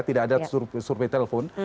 tidak ada survei telepon